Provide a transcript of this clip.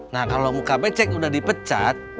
nah kalau muka becek udah dipecat